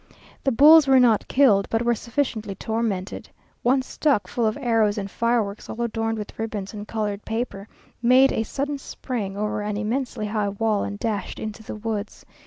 The bulls were not killed, but were sufficiently tormented. One stuck full of arrows and fireworks, all adorned with ribbons and coloured paper, made a sudden spring over an immensely high wall, and dashed into the woods.